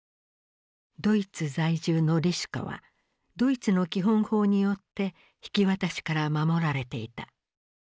ドイツ在住のリシュカはドイツの基本法によって引き渡しから守られていた。